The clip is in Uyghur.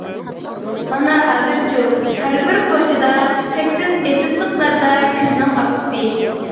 مانا ھازىرچۇ، ھەربىر كوچىدا، چەكسىز ئېتىزلىقلاردا كۈزنىڭ ئاپتىپى.